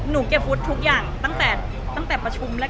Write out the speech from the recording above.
หนูเก็บพุทธทุกอย่างตั้งแต่ประชุมแรก